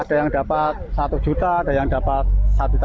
ada yang dapat satu tas tengah ada yang dapat lima ratus kan beda beda